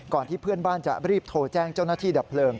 ที่เพื่อนบ้านจะรีบโทรแจ้งเจ้าหน้าที่ดับเพลิง